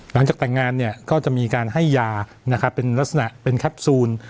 หลังจากแต่งงานก็จะมีการให้ยาเป็นลักษณะเป็นแคปซูล